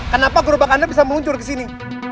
kenapa gerobak anda bisa meluncur kesini